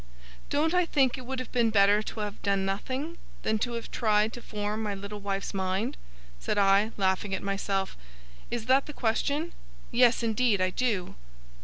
'Don't I think it would have been better to have done nothing, than to have tried to form my little wife's mind?' said I, laughing at myself. 'Is that the question? Yes, indeed, I do.